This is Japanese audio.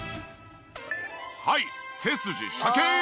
はい背筋シャキーン！